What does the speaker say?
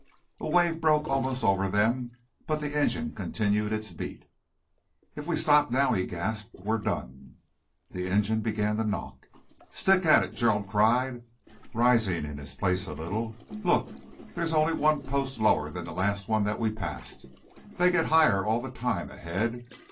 A wave broke almost over them but the engine continued its beat. "If we stop now," he gasped, "we're done!" The engine began to knock. "Stick at it," Gerald cried, rising in his place a little. "Look, there's only one post lower than the last one that we passed. They get higher all the time, ahead.